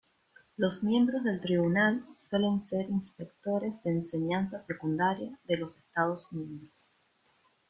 Los miembros del tribunal suelen ser Inspectores de Enseñanza Secundaria de los Estados Miembros.